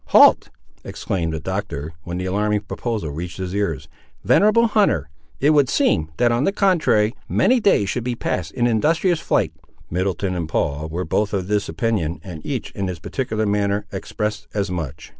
"Halt!" exclaimed the Doctor, when the alarming proposal reached his ears; "venerable hunter, it would seem, that on the contrary, many days should be passed in industrious flight." Middleton and Paul were both of this opinion, and each in his particular manner expressed as much.